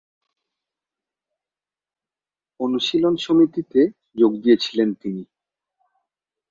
অনুশীলন সমিতিতে যোগ দিয়েছিলেন তিনি।